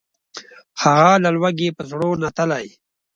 هغه له لوږي په زړو نتلي